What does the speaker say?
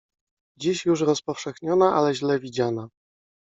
Dziś już rozpowszechniona, ale źle widziana